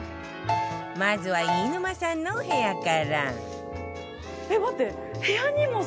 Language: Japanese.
まずは飯沼さんのお部屋からえっ待って！